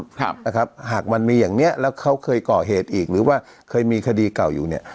ครับนะครับหากมันมีอย่างเนี้ยแล้วเขาเคยก่อเหตุอีกหรือว่าเคยมีคดีเก่าอยู่เนี่ย